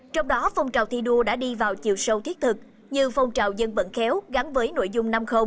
trong đó phong trào thi đua đã đi vào chiều sâu thiết thực như phong trào dân vận khéo gắn với nội dung năm